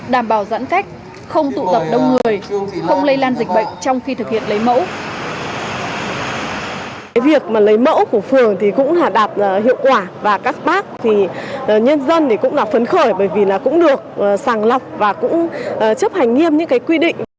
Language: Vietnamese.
đảm bảo giãn cách không tụ tập đông người không lây lan dịch bệnh trong khi thực hiện lấy mẫu